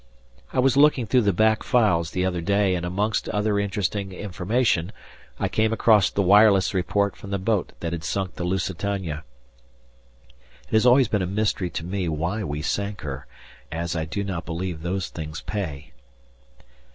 I was looking through the back files the other day and amongst other interesting information I came across the wireless report from the boat that had sunk the Lusitania. It has always been a mystery to me why we sank her, as I do not believe those things pay.